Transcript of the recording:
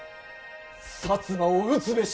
摩を討つべし。